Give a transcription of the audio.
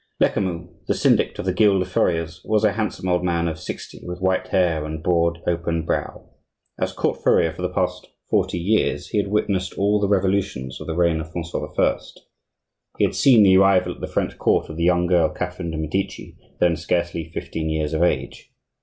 Lecamus, the syndic of the guild of furriers, was a handsome old man of sixty, with white hair, and a broad, open brow. As court furrier for the last forty years, he had witnessed all the revolutions of the reign of Francois I. He had seen the arrival at the French court of the young girl Catherine de' Medici, then scarcely fifteen years of age.